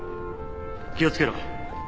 気を付けろ。